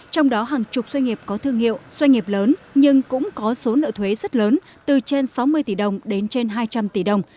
trong đó hàng chục doanh nghiệp có thương hiệu doanh nghiệp lớn nhưng cũng có số nợ thuế rất lớn từ trên sáu mươi tỷ đồng đến trên hai trăm linh tỷ đồng